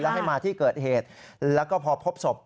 ให้มาที่เกิดเหตุแล้วก็พอพบศพ